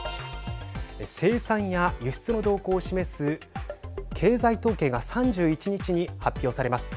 生産や輸出の動向を示す経済統計が３１日に発表されます。